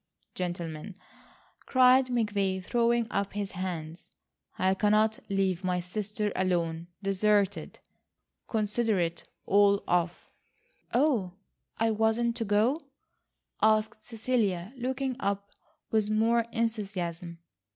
Gentlemen," cried McVay, throwing up his hands, "I cannot leave my sister alone,—deserted. Consider it all off." "Oh, I wasn't to go?" asked Cecilia, looking up with more enthusiasm.